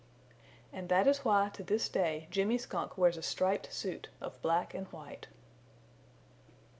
And this is why that to this day Jimmy Skunk wears a striped suit of black and white.